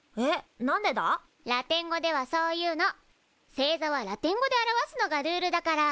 星座はラテン語で表すのがルールだから。